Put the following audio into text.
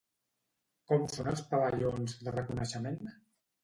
Com són els pavellons de reconeixement?